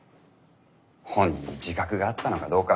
本人に自覚があったのかどうか。